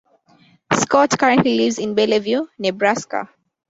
Scott currently lives in Bellevue, Nebraska.